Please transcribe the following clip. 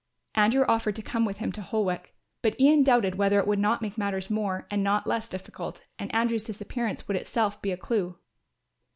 Andrew offered to come with him to Holwick, but Ian doubted whether it would not make matters more and not less difficult and Andrew's disappearance would itself give a clue.